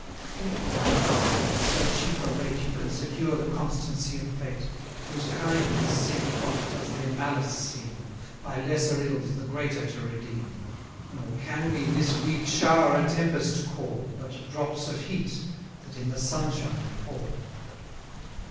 Think it not hard, if at so cheap a rate You can secure the constancy of fate, Whose kindness sent what does their malice seem, By lesser ills the greater to redeem. Nor can we this weak shower a tempest call, But drops of heat, that in the sunshine fall.